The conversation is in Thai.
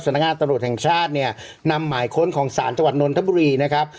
นักงานตำรวจแห่งชาติเนี่ยนำหมายค้นของศาลจังหวัดนนทบุรีนะครับ